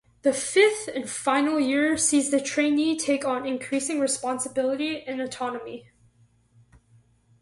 The fifth and final year sees the trainee take on increasing responsibility and autonomy.